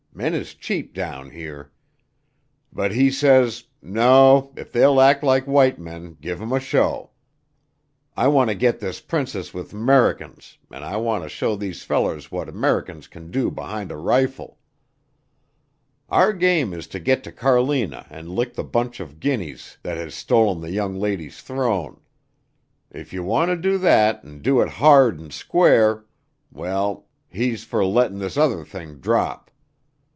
Men is cheap down here. But he says, 'No; if they'll act like white men, give 'em a show. I want to git this princess with 'Mericans an' I want to show these fellers what 'Mericans can do behin' a rifle.' Our game is to git to Carlina and lick the bunch of Guinnies thet has stolen the young lady's throne. If ye wanter do thet an' do it hard and square well, he's fer lettin' this other thing drop.